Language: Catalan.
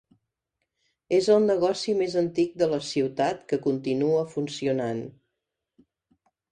És el negoci més antic de la ciutat que continua funcionant.